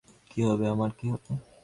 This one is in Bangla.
কী হবে, আমার কী হবে!